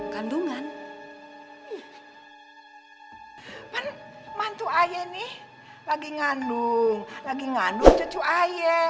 kandungan mantu ayah nih lagi ngandung lagi ngandung cucu ayah